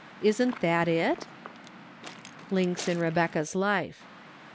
Isn't that it ? Links In Rebecca's Life.